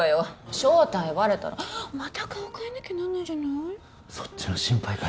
正体バレたらまた顔変えなきゃなんないじゃないそっちの心配かよ